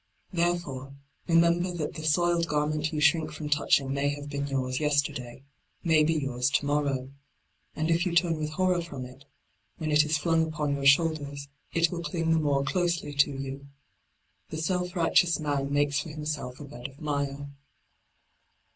Thereifore, remember that the soiled garment you shrink from touching may have been yours yesterday, may be yours to morrow. And if you turn with horror from it, when it is flung upon your shoulders, it will cling the more closely to you. The self righteous man makes for himself a bed of mire.